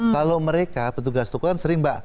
kalau mereka petugas toko kan sering mbak